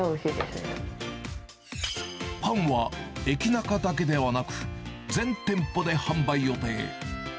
パンはエキナカだけではなく、全店舗で販売予定。